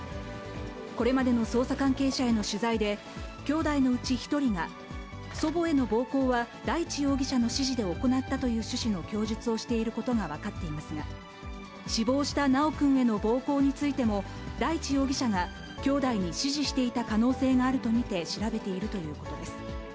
これまでの捜査関係者への取材で、きょうだいのうち１人が、祖母への暴行は大地容疑者の指示で行ったという趣旨の供述をしていることが分かっていますが、死亡した修くんへの暴行についても、大地容疑者がきょうだいに指示していた可能性があると見て調べているということです。